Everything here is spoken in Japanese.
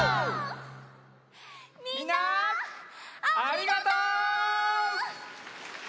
みんなありがとう！